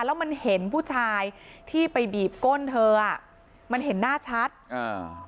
แล้วมันเห็นผู้ชายที่ไปบีบก้นเธออ่ะมันเห็นหน้าชัดอ่า